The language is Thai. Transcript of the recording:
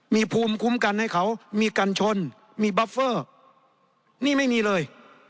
มีภูมิคุ้มกันให้เขามีกันชนมีบับเฟอร์นี่ไม่มีเลย